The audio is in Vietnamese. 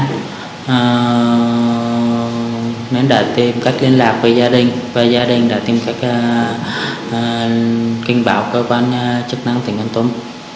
nạn nhân đã tìm cách liên lạc với gia đình và gia đình đã tìm cách kinh báo cơ quan chức năng tỉnh kon tum